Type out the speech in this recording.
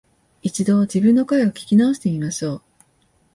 一度、自分の声を聞き直してみましょう